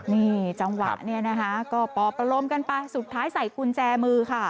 นี่จังหวะก็ปอประลมกันไปสุดท้ายใส่กุญแจมือค่ะ